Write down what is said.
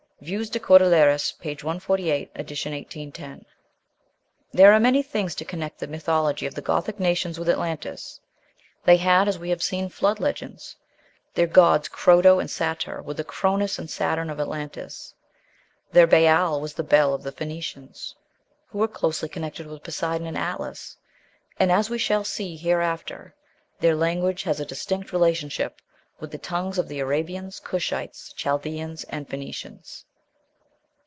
("Vues des Cordilleras," p. 148, ed. 1810.) There are many things to connect the mythology of the Gothic nations with Atlantis; they had, as we have seen, flood legends; their gods Krodo and Satar were the Chronos and Saturn of Atlantis; their Baal was the Bel of the Phoenicians, who were closely connected with Poseidon and Atlas; and, as we shall see hereafter, their language has a distinct relationship with the tongues of the Arabians, Cushites, Chaldeans, and Phoenicians.